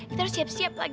kita harus siap siap lagi